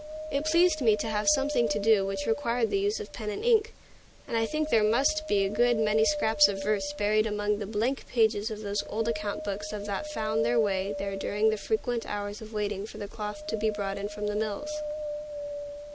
It pleased me much to have something to do which required the use of pen and ink, and I think there must be a good many scraps of verse buried among the blank pages of those old account books of that found their way there during the frequent half hours of waiting for the cloth to be brought in from the mills.